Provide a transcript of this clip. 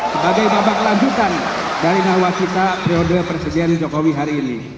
sebagai babak lanjutan dari nawacita periode presiden jokowi hari ini